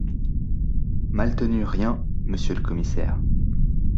Maltenu Rien, Monsieur le commissaire…